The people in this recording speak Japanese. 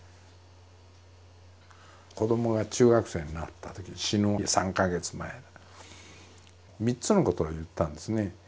子どもが中学生になったとき死ぬ３か月前３つのことを言ったんですね。